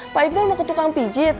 pak ifdal mau ke tukang pijit